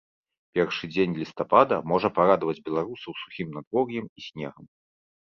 Першы дзень лістапада можа парадаваць беларусаў сухім надвор'ем і снегам.